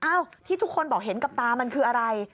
ที่ทุกคนบอกเห็นกับตามันคืออะไร